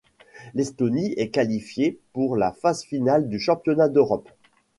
L'Estonie est qualifiée pour la phase finale du championnat d'Europe.